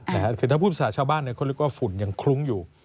คือถ้าพูดภาษาชาวบ้านเขาเรียกว่าฝุ่นยังคลุ้งอยู่